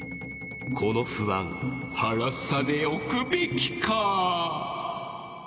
この不安はらさでおくべきか。